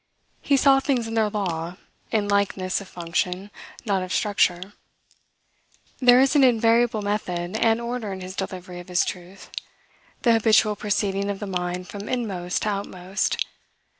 He saw things in their law, in likeness of function, not of structure. There is an invariable method and order in his delivery of his truth, the habitual proceeding of the mind from inmost to outmost.